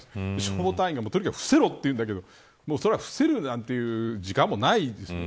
消防隊員が、とにかく伏せろと言うんだけれど伏せるなんていう時間もないんです。